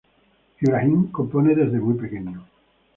Ibrahim compone desde muy pequeño.